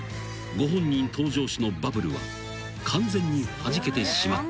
［ご本人登場史のバブルは完全にはじけてしまったのだ］